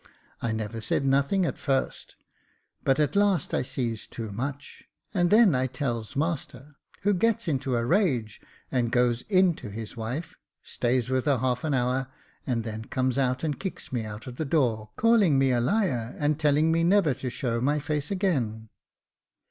I never said nothing at first ; but at last I sees too much, and then I tells master, who gets into a rage, and goes in to his wife, stays with her half an hour, and then comes out and kicks me out of the door, calling me a liar, and telling me never to show my face again.